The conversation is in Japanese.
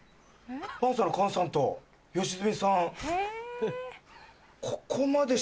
パンサーの菅さんと吉住さん。